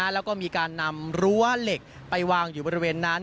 แล้วก็มีการนำรั้วเหล็กไปวางอยู่บริเวณนั้น